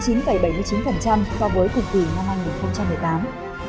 so với cục tỷ năm hai nghìn một mươi tám